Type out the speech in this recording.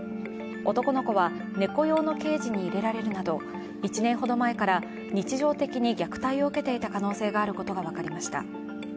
男の子は猫用のケージに入れられるなど１年ほど前から日常的に虐待を受けていた可能性があることが分かりました。